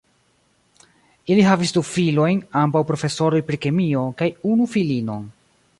Ili havis du filojn, ambaŭ profesoroj pri kemio, kaj unu filinon.